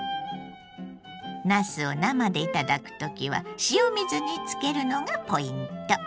なすを生で頂く時は塩水につけるのがポイント。